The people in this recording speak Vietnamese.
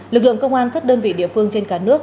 lực lượng công an các đơn vị địa phương trên cả nước